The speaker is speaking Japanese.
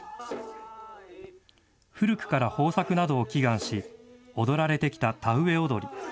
古くから豊作などを祈願し、踊られてきた田植踊。